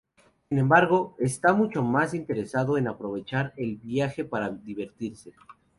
Sin embargo, está mucho más interesado en aprovechar el viaje para divertirse...